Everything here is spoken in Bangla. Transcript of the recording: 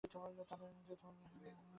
তাদের কাজ করবার অনেক শক্তি আছে।